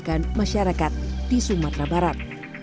bagaimana cara menggunakan teknik yang lebih mudah di sumatera barat